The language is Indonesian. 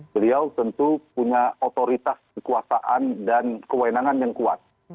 beliau tentu punya otoritas kekuasaan dan kewenangan yang kuat